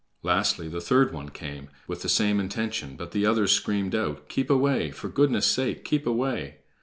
Lastly, the third one came, with the same intention, but the others screamed out: "Keep away! For goodness sake, keep away!"